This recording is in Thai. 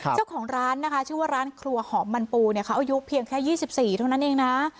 เจ้าของร้านนะคะชื่อว่าร้านครัวหอมมันปูเนี่ยเขาอายุเพียงแค่๒๔เท่านั้นเองนะ